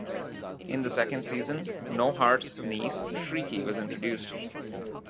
In the second season, No Heart's niece Shreeky was introduced.